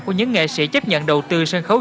của những nghệ sĩ chấp nhận đầu tư sân khấu